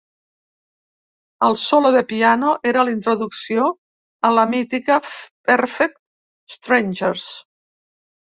El solo de piano era l’introducció a la mítica ‘Perfect strangers’.